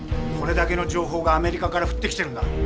これだけの情報がアメリカから降ってきてるんだ。